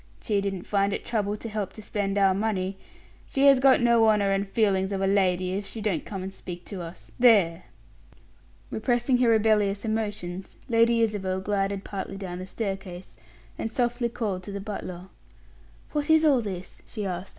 She didn't find it trouble to help to spend our money. She has got no honor and feelings of a lady, if she don't come and speak to us. There." Repressing her rebellious emotions, Lady Isabel glided partly down the staircase, and softy called to the butler. "What is all this?" she asked.